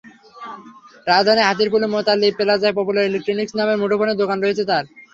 রাজধানীর হাতিরপুলের মোতালিব প্লাজায় popular electronics নামের মুঠোফোনের দোকান রয়েছে তাঁর।